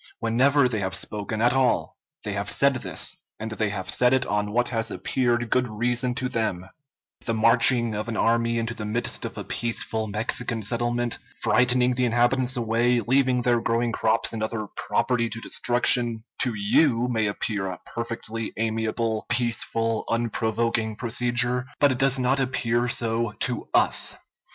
Whenever they have spoken at all they have said this; and they have said it on what has appeared good reason to them; the marching of an army into the midst of a peaceful Mexican settlement, frightening the inhabitants away, leaving their growing crops and other property to destruction, to you may appear a perfectly amiable, peaceful, unprovoking procedure; but it does not appear so to us.